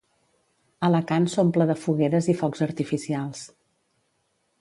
Alacant s'omple de fogueres i focs artificials.